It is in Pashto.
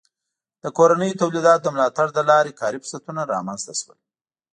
د کورنیو تولیداتو د ملاتړ له لارې کاري فرصتونه رامنځته سول.